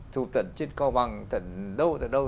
chụp tận trên co bằng tận đâu tận đâu